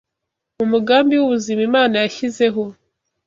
mu mugambi w’ubuzima Imana yashyizeho